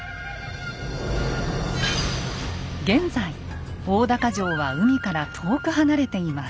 現在大高城は海から遠く離れています。